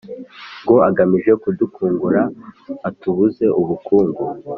Ngo agamije kudukungura atubuze ubukungu